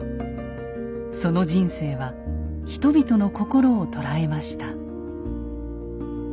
その人生は人々の心を捉えました。